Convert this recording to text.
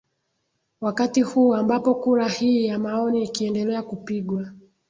wakati huu ambapo kura hii ya maoni ikiendelea kupigwa